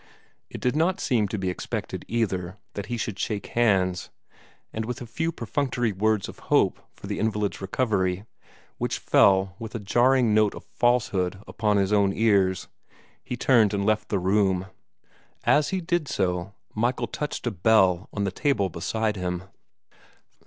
It did not seem to be expected, either, that he should shake hands, and with a few perfunctory words of hope for the invalid's recovery, which fell with a jarring note of falsehood upon his own ears, he turned and left the room. As he did so, Michael touched a bell on the table beside him.